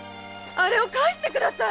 あれを返してください！